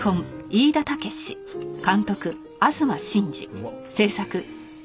うまっ！